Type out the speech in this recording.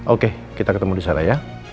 oke kita ketemu disana ya